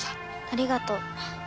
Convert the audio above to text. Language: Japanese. ありがと。